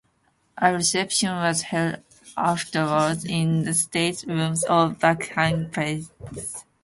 A reception was held afterwards in the State Rooms of Buckingham Palace.